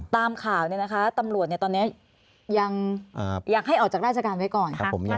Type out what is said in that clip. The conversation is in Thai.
ตามข่าวเนี่ยนะคะตำรวจตอนนี้ยังอยากให้ออกจากราชการไว้ก่อน